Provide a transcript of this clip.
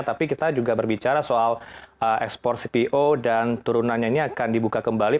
tapi kita juga berbicara soal ekspor cpo dan turunannya ini akan dibuka kembali